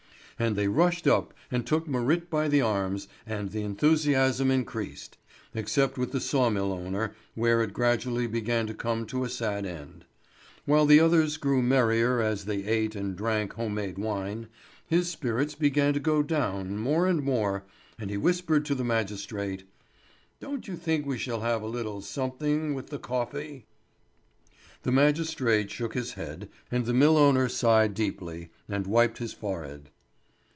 And they rushed up and took Marit by the arms, and the enthusiasm increased, except with the saw mill owner, where it gradually began to come to a sad end. While the others grew merrier as they ate and drank home made wine, his spirits began to go down more and more, and he whispered to the magistrate: "Don't you think we shall have a little something with the coffee?" The magistrate shook his head, and the mill owner sighed deeply, and wiped his forehead.